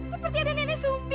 seperti ada nenek sumbi